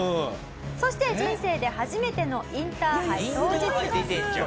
そして人生で初めてのインターハイ当日。